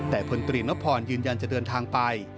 แต่พลตรีนพรยืนยันจะเดินทางไป